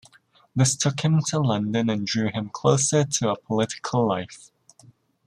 This took him to London and drew him closer to a political life.